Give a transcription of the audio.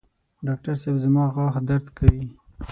ډاکټر صېب زما غاښ درد کوي